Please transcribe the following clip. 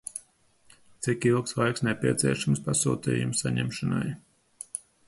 Cik ilgs laiks nepieciešams pasūtījuma saņemšanai?